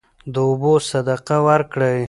د اوبو صدقه ورکړئ.